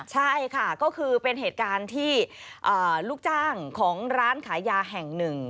ใช่ค่ะก็คือเป็นเหตุการณ์ที่ลูกจ้างของร้านขายยาแห่งหนึ่ง